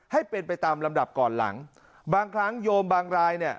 ให้เป็นไปตามลำดับก่อนหลังบางครั้งโยมบางรายเนี่ย